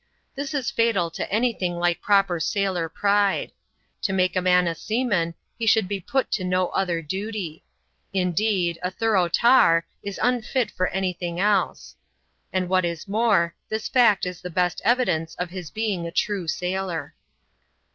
This is fatal to any thing like proper sailor pride. To make a man a seaman, he should be put to no other duty. Indeed, a 4;horoiigh tar is un£lt for any thing else ; and what is more, this fact is the best evidence c^ his being a true sailor.